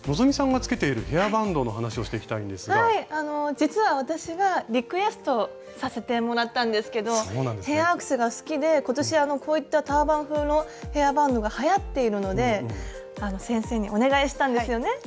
実は私がリクエストさせてもらったんですけどヘアアクセが好きで今年こういったターバン風のヘアバンドがはやっているので先生にお願いしたんですよね。